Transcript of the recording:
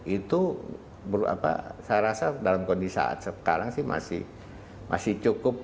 itu saya rasa dalam kondisi saat sekarang sih masih cukup